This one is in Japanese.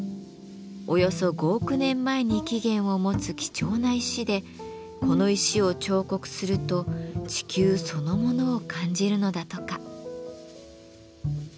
およそ５億年前に起源を持つ貴重な石でこの石を彫刻すると地球そのものを感じるのだとか。